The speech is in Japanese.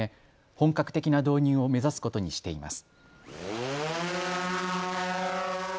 本格的な導入を目指すことにしています。